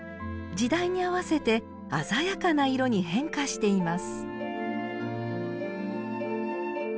時代に合わせて鮮やかな色に変化しています